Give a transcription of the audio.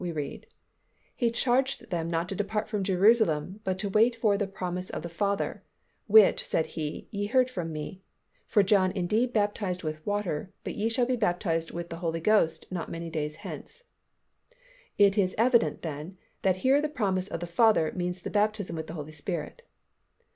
we read, "He charged them not to depart from Jerusalem, but to wait for the promise of the Father, which, said He, ye heard from Me: for John indeed baptized with water, but ye shall be baptized with the Holy Ghost not many days hence." It is evident then, that here the promise of the Father means the baptism with the Holy Spirit.